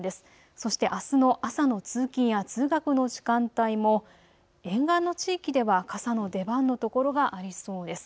そしてあすの朝の通勤や通学の時間帯も沿岸の地域では傘の出番の所がありそうです。